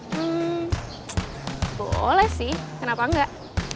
hmm boleh sih kenapa enggak